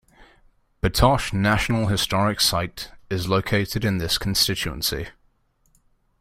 Batoche National Historic Site is located in this constituency.